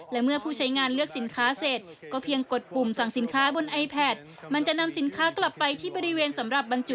และเมื่อผู้ใช้งานเลือกสินค้าเสร็จ